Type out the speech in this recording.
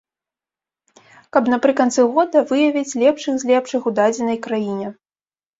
Каб напрыканцы года выявіць лепшых з лепшых у дадзенай краіне.